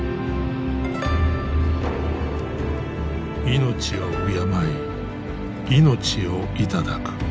命を敬い命を頂く。